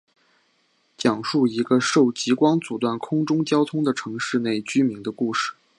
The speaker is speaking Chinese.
讲述一个受极光阻断空中交通的城市内居民的故事。